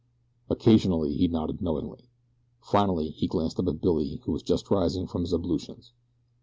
Occasionally he nodded knowingly. Finally he glanced up at Billy who was just rising from his ablutions.